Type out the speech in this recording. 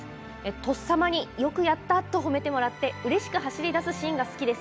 とっさまによくやったと褒めてもらって、うれしくて走りだすシーンが好きです。